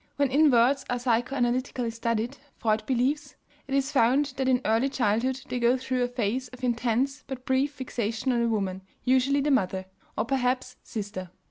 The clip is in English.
When inverts are psycho analytically studied, Freud believes, it is found that in early childhood they go through a phase of intense but brief fixation on a woman, usually the mother, or perhaps sister.